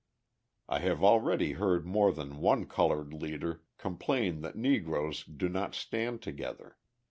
I have already heard more than one coloured leader complain that Negroes do not stand together.